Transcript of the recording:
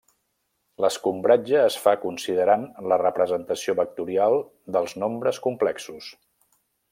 L'escombratge es fa considerant la representació vectorial dels nombres complexos.